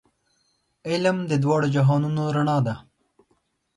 علم د دواړو جهانونو رڼا ده.